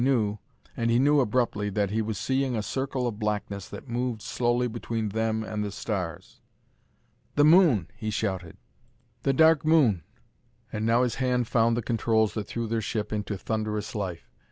and he knew abruptly that he was seeing a circle of blackness that moved slowly between them and the stars. "The Moon!" he shouted. "The Dark Moon!" And now his hand found the controls that threw their ship into thunderous life.